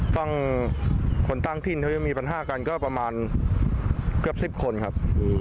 ฟังคนต่างที่มีปัญหาการก็แบบประมาณเกือบ๑๐คนครับ